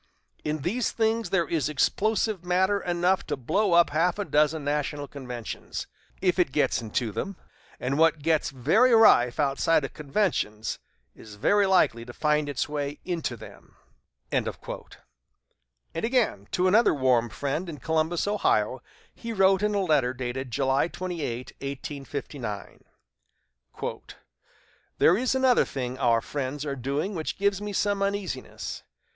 In these things there is explosive matter enough to blow up half a dozen national conventions, if it gets into them; and what gets very rife outside of conventions is very likely to find its way into them." And again, to another warm friend in Columbus, Ohio, he wrote in a letter dated July 28, 1859: "There is another thing our friends are doing which gives me some uneasiness.